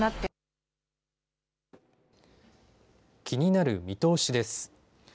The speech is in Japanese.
気になる見通しです。